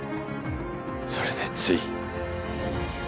それでつい。